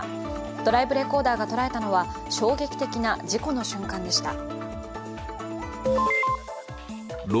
ドライブレコーダーが捉えたのは衝撃的な事故の瞬間でした。